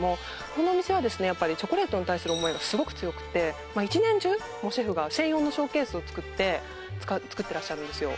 このお店はチョコレートに対する思いがすごく強くって一年中シェフが専用のショーケースを作って作ってらっしゃるんですよ